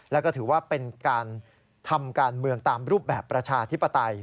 แล้วก็ถือว่าเป็นการทำการเมืองตามรูปแบบประชาธิปไตย